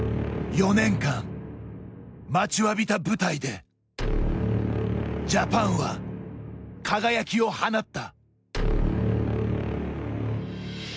４年間、待ちわびた舞台でジャパンは輝きを放った。